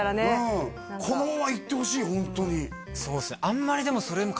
うんこのままいってほしいホントにそうですね